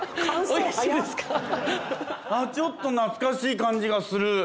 感想、ちょっと懐かしい感じがする。